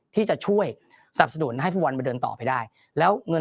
ที่จะช่วยสรรพสะดุลให้ผู้วันมาเดินต่อไปได้แล้วเงิน